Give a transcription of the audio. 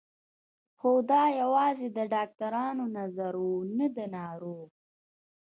خو دا يوازې د ډاکترانو نظر و نه د ناروغ.